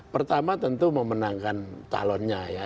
pertama tentu memenangkan calonnya ya